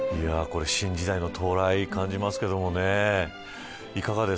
新時代の到来を感じますけどね。